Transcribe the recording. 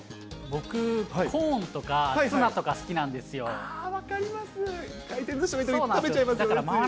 僕、コーンとか、ツナとか好分かります。